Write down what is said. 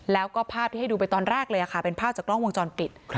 แล้วก็ภาพที่ให้ดูไปตอนแรกเลยค่ะเป็นภาพจากกล้องวงจรปิด